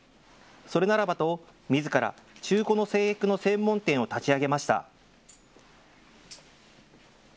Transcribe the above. それならばと、みずから中古の制服の専門店を立ち上げました。